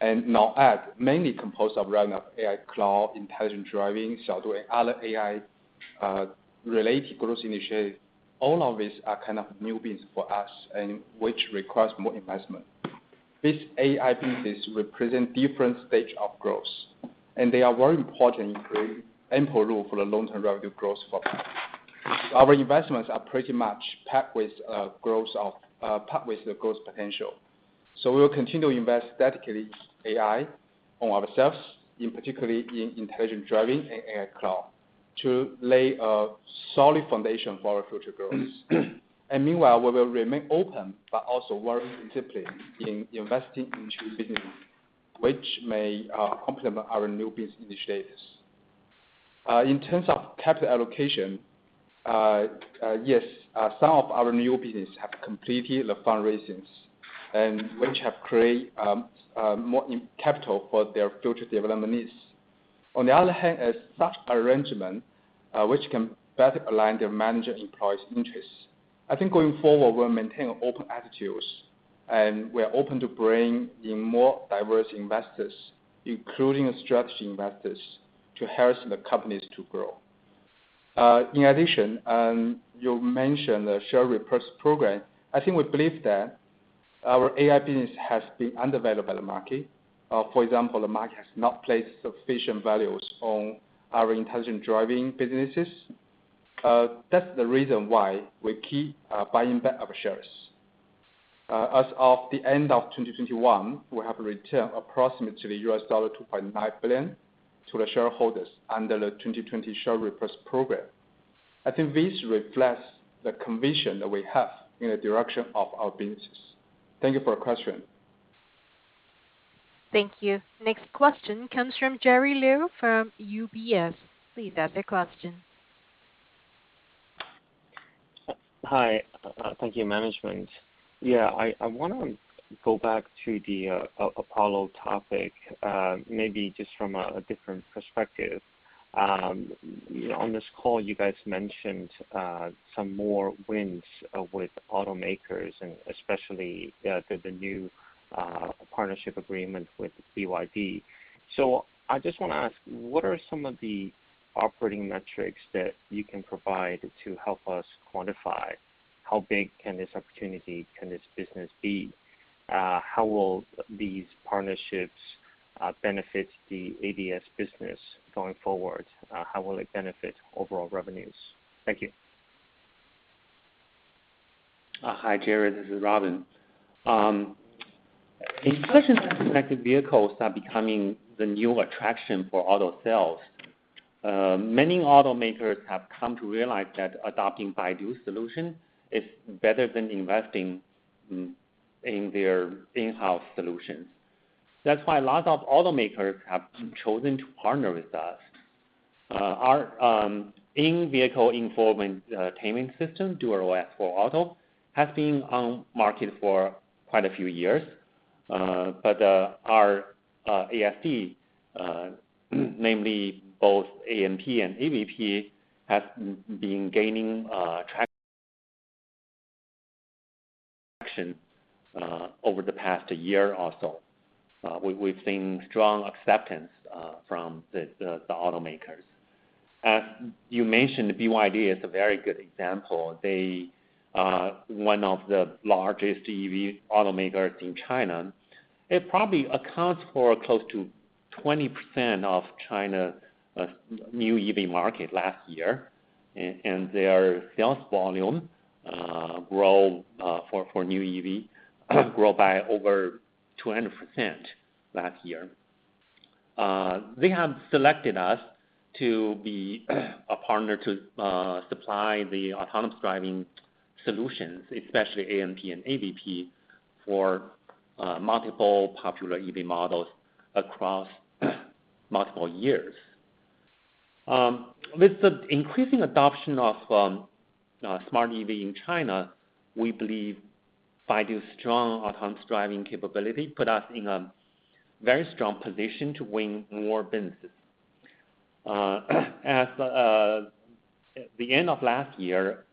Non-AD, mainly composed of revenue of AI Cloud, Intelligent Driving, Xiaodu, and other AI-related growth initiatives, all of these are kind of new business for us and which requires more investment. These AI businesses represent different stage of growth, and they are very important in creating input rule for the long-term revenue growth for Baidu. Our investments are pretty much packed with the growth potential. We will continue to invest strategically AI on ourselves, in particularly in intelligent driving and AI cloud, to lay a solid foundation for our future growth. Meanwhile, we will remain open but also very principally in investing into business, which may complement our new business initiatives. In terms of capital allocation, yes, some of our new business have completed the fundraisings and which have created more capital for their future development needs. On the other hand, as such arrangement, which can better align their manager employees interests, I think going forward, we'll maintain open attitudes, and we are open to bring in more diverse investors, including strategy investors, to harness the companies to grow. In addition, you mentioned the share repurchase program. I think we believe that our AI business has been undervalued by the market. For example, the market has not placed sufficient values on our intelligent driving businesses. That's the reason why we keep buying back our shares. As of the end of 2021, we have returned approximately $2.9 billion to the shareholders under the 2020 share repurchase program. I think this reflects the conviction that we have in the direction of our businesses. Thank you for your question. Thank you. Next question comes from Jerry Liu from UBS. Please ask your question. Hi. Thank you, management. Yeah, I wanna go back to the Apollo topic, maybe just from a different perspective. On this call, you guys mentioned some more wins with automakers and especially the new partnership agreement with BYD. I just wanna ask, what are some of the operating metrics that you can provide to help us quantify how big can this opportunity, can this business be? How will these partnerships benefit the ADS business going forward? How will it benefit overall revenues? Thank you. Hi, Jerry Liu, this is Robin Li. In questions of connected vehicles are becoming the new attraction for auto sales, many automakers have come to realize that adopting Baidu solution is better than investing in their in-house solutions. That's why a lot of automakers have chosen to partner with us. Our in-vehicle infotainment system, DuerOS for Auto, has been on market for quite a few years. Our ASD, namely both AMP and AVP, have been gaining traction over the past year or so. We've seen strong acceptance from the automakers. As you mentioned, BYD is a very good example. They are one of the largest EV automakers in China. It probably accounts for close to 20% of China's new EV market last year. Their sales volume for new EV grew by over 200% last year. They have selected us to be a partner to supply the autonomous driving solutions, especially ANP and AVP, for multiple popular EV models across multiple years. With the increasing adoption of smart EV in China, we believe Baidu's strong autonomous driving capability put us in a very strong position to win more businesses. As at the end of last year,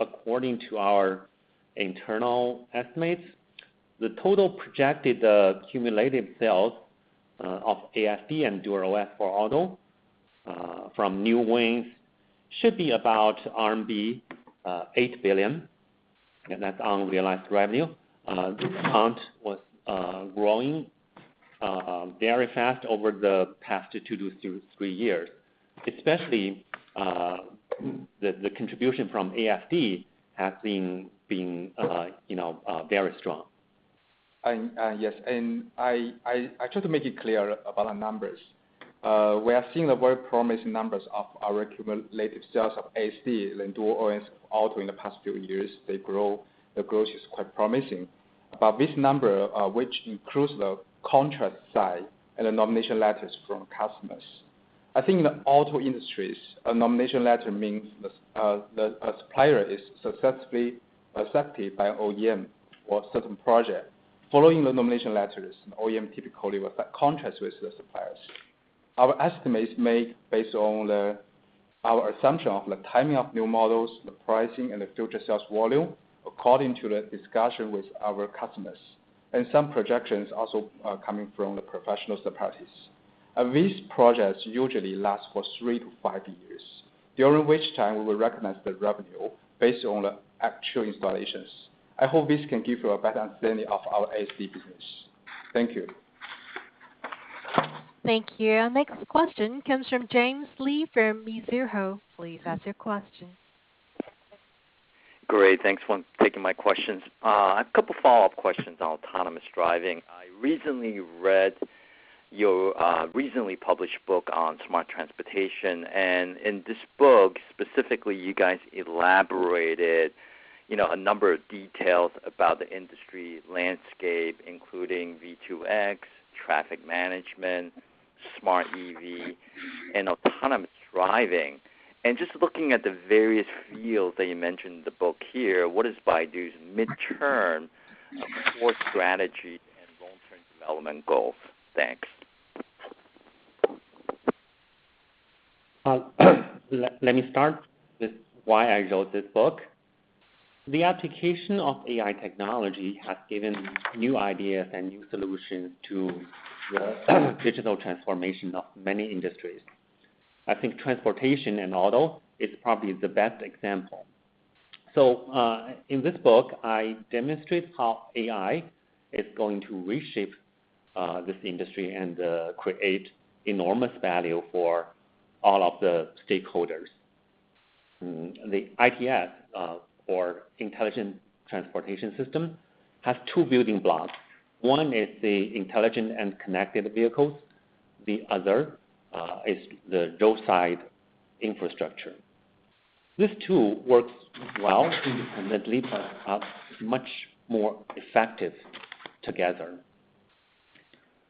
according to our internal estimates, the total projected cumulative sales of ASD and DuerOS for Auto from new OEMs should be about RMB 8 billion, and that's unrealized revenue. This account was growing very fast over the past two to three years, especially the contribution from ASD has been, you know, very strong. Yes. I try to make it clear about our numbers. We are seeing the very promising numbers of our cumulative sales of ASD and DuerOS for Auto in the past few years. They grow, the growth is quite promising. But this number, which includes the contract size and the nomination letters from customers. I think in the auto industry, a nomination letter means a supplier is successfully accepted by OEM for a certain project. Following the nomination letters, OEM typically will sign contracts with the suppliers. Our estimates made based on our assumption of the timing of new models, the pricing and the future sales volume according to the discussion with our customers. Some projections also are coming from the professional suppliers. These projects usually last for 3-5 years, during which time we will recognize the revenue based on the actual installations. I hope this can give you a better understanding of our ASD business. Thank you. Thank you. Next question comes from James Lee from Mizuho. Please ask your question. Great. Thanks for taking my questions. A couple follow-up questions on autonomous driving. I recently read your recently published book on smart transportation. In this book, specifically, you guys elaborated, you know, a number of details about the industry landscape, including V2X, traffic management, smart EV, and autonomous driving. Just looking at the various fields that you mentioned in the book here, what is Baidu's midterm core strategy and long-term development goals? Thanks. Let me start with why I wrote this book. The application of AI technology has given new ideas and new solutions to the digital transformation of many industries. I think transportation and auto is probably the best example. In this book, I demonstrate how AI is going to reshape this industry and create enormous value for all of the stakeholders. The ITS, or Intelligent Transportation System, has two building blocks. One is the intelligent and connected vehicles, the other is the road side infrastructure. This too works well and it leaves us much more effective together.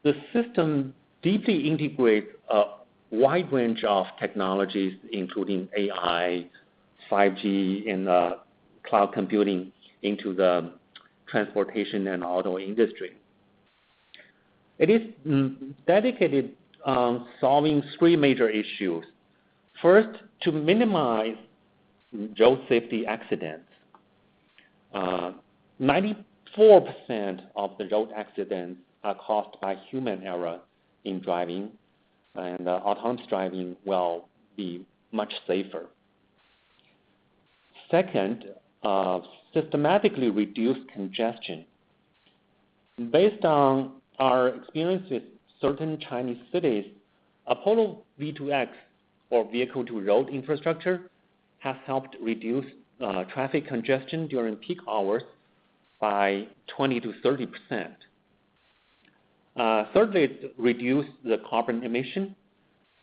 The system deeply integrates a wide range of technologies, including AI, 5G, and cloud computing into the transportation and auto industry. It is dedicated on solving three major issues. First, to minimize road safety accidents. 94% of the road accidents are caused by human error in driving, and autonomous driving will be much safer. Second, systematically reduce congestion. Based on our experience with certain Chinese cities, Apollo V2X or Vehicle to Road infrastructure has helped reduce traffic congestion during peak hours by 20%-30%. Thirdly, reduce the carbon emission.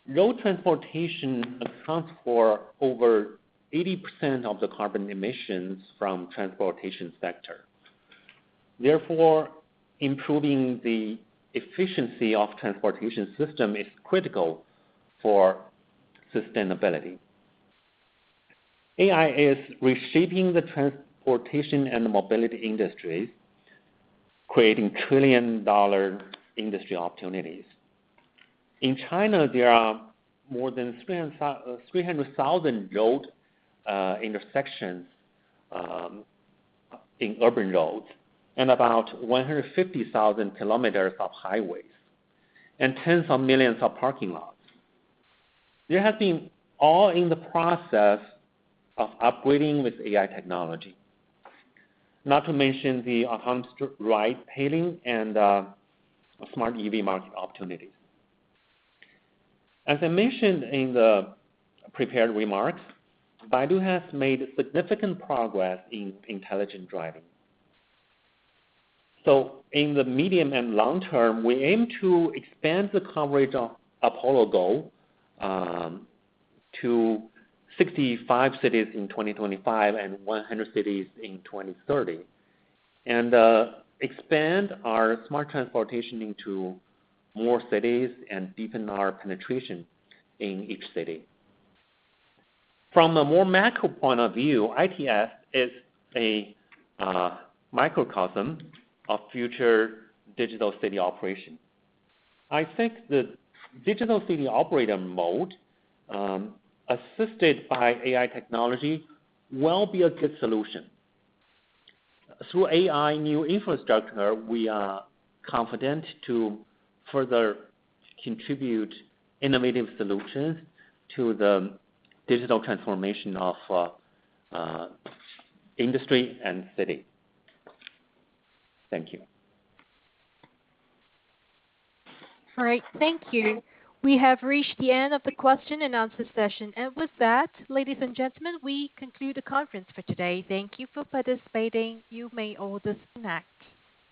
Road transportation accounts for over 80% of the carbon emissions from transportation sector. Therefore, improving the efficiency of transportation system is critical for sustainability. AI is reshaping the transportation and mobility industries, creating trillion-dollar industry opportunities. In China, there are more than 300,000 road intersections in urban roads and about 150,000 kilometers of highways, and tens of millions of parking lots. They have been all in the process of upgrading with AI technology. Not to mention the autonomous ride-hailing and smart EV market opportunities. As I mentioned in the prepared remarks, Baidu has made significant progress in intelligent driving. In the medium and long term, we aim to expand the coverage of Apollo Go to 65 cities in 2025 and 100 cities in 2030. Expand our smart transportation into more cities and deepen our penetration in each city. From a more macro point of view, ITS is a microcosm of future digital city operation. I think the digital city operator mode, assisted by AI technology, will be a good solution. Through AI new infrastructure, we are confident to further contribute innovative solutions to the digital transformation of industry and city. Thank you. All right. Thank you. We have reached the end of the question and answer session. With that, ladies and gentlemen, we conclude the conference for today. Thank you for participating. You may all disconnect.